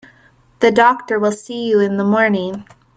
The doctor will see you in the morning.